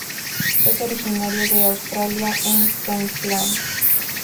Es originario de Australia en Queensland.